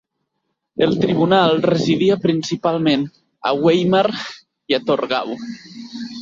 El tribunal residia principalment a Weimar i a Torgau.